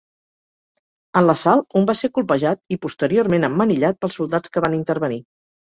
En l'assalt un va ser colpejat i posteriorment emmanillat pels soldats que van intervenir.